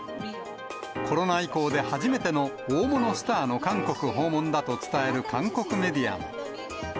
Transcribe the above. コロナ以降で初めての大物スターの韓国訪問だと伝える韓国メディアも。